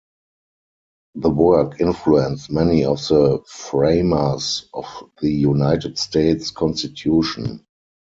The work influenced many of the framers of the United States Constitution.